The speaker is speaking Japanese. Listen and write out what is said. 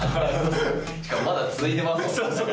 しかもまだ続いてますもんね。